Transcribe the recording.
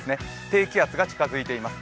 低気圧が近づいています。